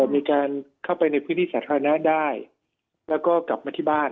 มีการเข้าไปในพื้นที่สาธารณะได้แล้วก็กลับมาที่บ้าน